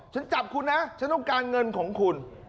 ฉันจับคุณนะฉันต้องการเงินของคุณ